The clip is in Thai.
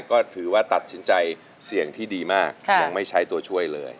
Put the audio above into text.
ก็ถือว่าตัดสินใจเสี่ยงที่ดีมากยังไม่ใช้ตัวช่วยเลย